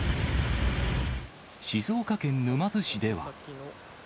静岡県沼津市では。